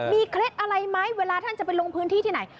มีเคล็ดอะไรไหมเวลาท่านจะไปลงพื้นที่ที่ไหน